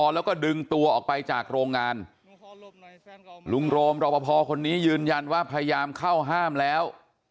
แล้วก็ดึงตัวออกไปจากโรงงานลุงโรมรอปภคนนี้ยืนยันว่าพยายามเข้าห้ามแล้ว